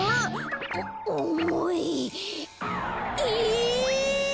え！